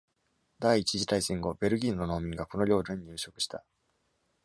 第一次大戦後、ベルギーの農民がこの領土に入植した。